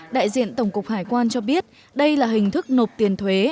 đại diện tổng cục hải quan cho biết đây là hình thức nộp tiền thuế